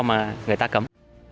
mà người ta cấm